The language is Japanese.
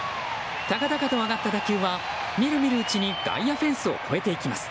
高々と上がった打球は見る見るうちに外野フェンスを越えていきます。